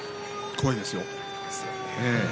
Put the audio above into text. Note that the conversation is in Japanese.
怖いですよ。